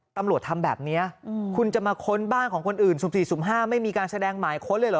ตำรวจทำแบบนี้คุณจะมาค้นบ้านของคนอื่นสุ่ม๔สุ่ม๕ไม่มีการแสดงหมายค้นเลยเหรอ